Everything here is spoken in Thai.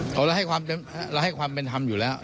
เขาให้ความเป็นธรรมอยู่แล้ว